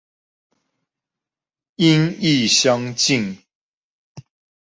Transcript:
音亦相近